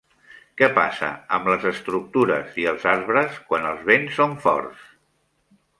Què passa amb les estructures i els arbres quan els vents són forts?